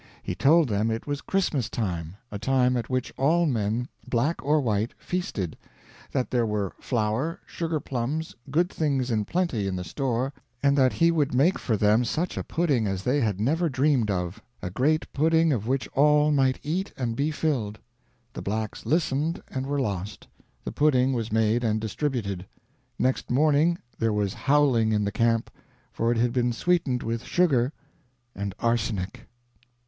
He told them it was Christmas time a time at which all men, black or white, feasted; that there were flour, sugar plums, good things in plenty in the store, and that he would make for them such a pudding as they had never dreamed of a great pudding of which all might eat and be filled. The Blacks listened and were lost. The pudding was made and distributed. Next morning there was howling in the camp, for it had been sweetened with sugar and arsenic!"